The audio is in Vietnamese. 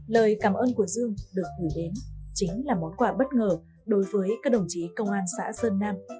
lời cảm ơn của dương được gửi đến chính là món quà bất ngờ đối với các đồng chí công an xã sơn nam